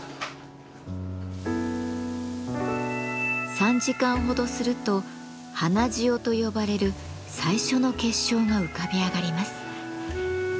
３時間ほどすると花塩と呼ばれる最初の結晶が浮かび上がります。